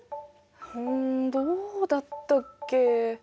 うんどうだったっけ？